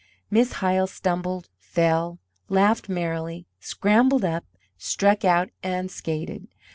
Miss Hyle stumbled, fell, laughed merrily, scrambled up, struck out, and skated.